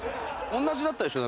同じだったでしょ？